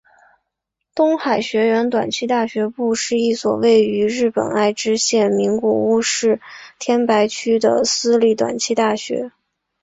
东海学园短期大学部是一所位于日本爱知县名古屋市天白区的私立短期大学。